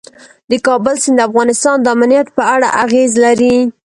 د کابل سیند د افغانستان د امنیت په اړه اغېز لري.